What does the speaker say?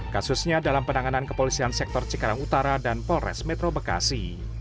kasusnya dalam penanganan kepolisian sektor cikarang utara dan polres metro bekasi